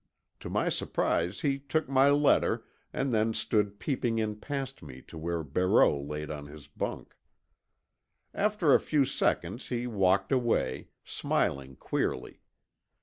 To my surprise he took my letter and then stood peeping in past me to where Barreau lay on his bunk. After a few seconds he walked away, smiling queerly.